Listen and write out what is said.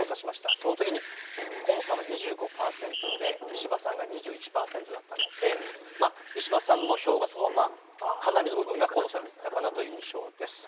そのときに河野さんは２５％で、石破さんが２１％だったので、石破さんの票がそのまま、かなりの部分が河野さんにいったなという印象です。